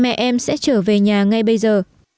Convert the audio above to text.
em mong cha mẹ em sẽ trở về nhà ngay bây giờ